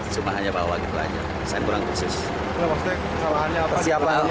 cuma hanya bawa gitu aja saya kurang khusus